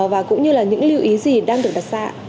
và cũng như là những lưu ý gì đang được đặt ra